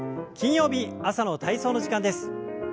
金曜日朝の体操の時間です。